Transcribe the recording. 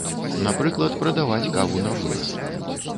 Напрыклад, прадаваць каву на вынас.